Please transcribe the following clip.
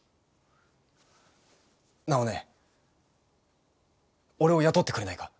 ナオ姉俺を雇ってくれないか？